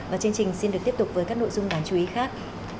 và chương trình xin được tiếp tục với các nội dung đáng chú ý khác